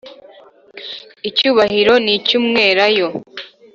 icyubahiro nk icy umwelayo